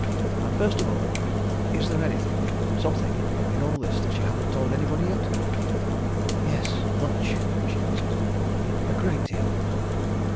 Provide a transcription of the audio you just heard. And first of all is there anything something in all this that you haven't told to anybody yet?" "Yes much!" she answered. "A great deal!"